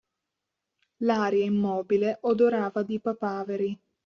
L'aria immobile odorava di papaveri.